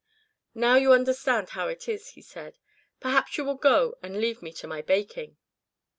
"Now you understand how it is," he said. "Perhaps you will go and leave me to my baking."